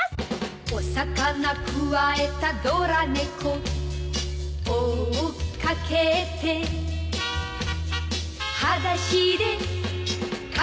「お魚くわえたドラ猫」「追っかけて」「はだしでかけてく」